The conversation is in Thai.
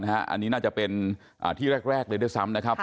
อันนี้น่าจะเป็นที่แรกเลยด้วยซ้ำนะครับ